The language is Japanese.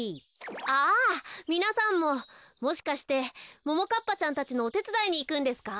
ああみなさんももしかしてももかっぱちゃんたちのおてつだいにいくんですか？